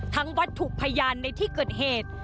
ทั้งวัดถูกพยานในที่เกิดเหตุ